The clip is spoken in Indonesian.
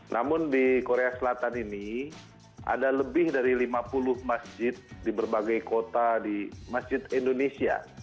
namun di korea selatan ini ada lebih dari lima puluh masjid di berbagai kota di masjid indonesia